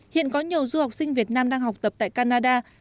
hiện có nhiều du học sinh việt nam đang học tập tại canada